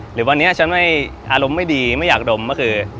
หรือวันนี้ฉันไม่อารมณ์ไม่ดีไม่อยากดมก็คือ